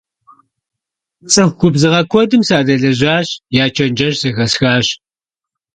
ЦӀыху губзыгъэ куэдым садэлэжьащ, я чэнджэщ зэхэсхащ.